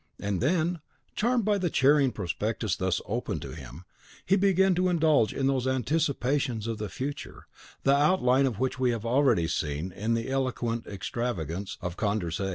And then, warmed by the cheering prospects thus opened to him, he began to indulge in those anticipations of the future, the outline of which we have already seen in the eloquent extravagance of Condorcet.